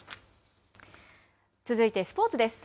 続いてスポーツです。